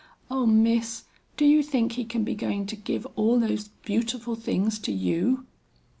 O Miss, do you think he can be going to give all those beautiful things to you?"